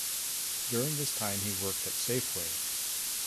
During this time he worked at Safeway.